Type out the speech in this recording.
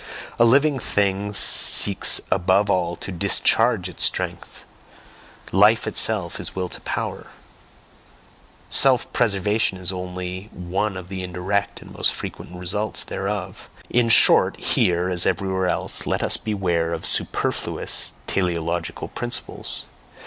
A living thing seeks above all to DISCHARGE its strength life itself is WILL TO POWER; self preservation is only one of the indirect and most frequent RESULTS thereof. In short, here, as everywhere else, let us beware of SUPERFLUOUS teleological principles!